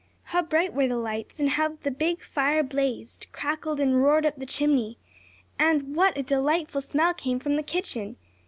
How bright were the lights, and how the big fire blazed, crackled and roared up the chimney! And what a delightful smell came from the kitchen!